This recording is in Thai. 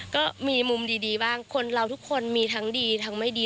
ก็มีมุมดีบ้างคนเราทุกคนมีทั้งดีทั้งไม่ดี